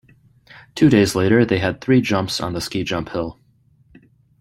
Two days later they had three jumps on the ski jump hill.